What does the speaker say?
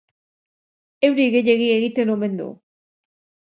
Euri gehiegi egiten omen du.